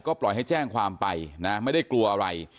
ปล่อยให้แจ้งความไปนะไม่ได้กลัวอะไร